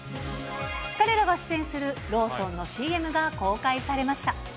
彼らが出演するローソンのＣＭが公開されました。